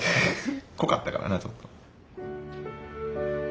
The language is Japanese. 濃かったからなちょっと。